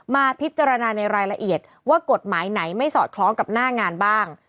มาพิจารณาในรายละเอียดว่ากฎหมายไหนไม่สอดคล้องกับหน้างานบ้าง